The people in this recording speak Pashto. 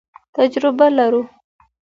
تجربه لرو.